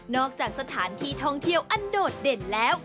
จากสถานที่ท่องเที่ยวอันโดดเด่นแล้ว